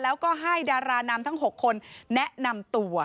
แล้วก็ให้ดารานำทั้ง๖คนแนะนำตัว